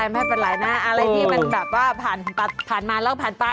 ไม่เป็นไรนะอะไรที่มันแบบว่าผ่านมาแล้วผ่านไป